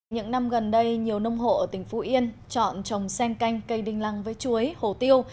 những năm gần đây nhiều nông hộ ở tỉnh phú yên chọn trồng sen canh cây đinh lăng với chuối hồ tiêu